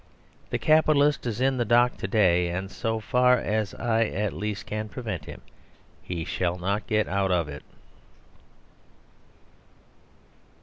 The capitalist is in the dock to day; and so far as I at least can prevent him, he shall not get out of it.